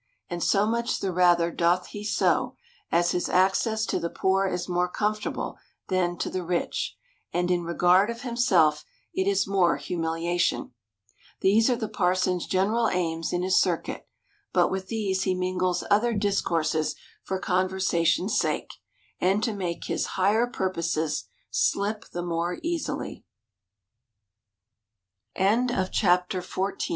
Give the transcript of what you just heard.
And so much the rather doth he so, as his access to the poor is more comfortable, than to the rich ; and, in regard of himself, it is more humiliation. These are the parson's general aims in his circuit ; but with these he mingles other discourses for conversa tion sake, and to make his h